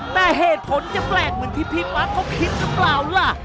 แต่เหตุผลจะแปลกเหมือนที่พี่ปั๊กเขาคิดหรือเปล่าล่ะ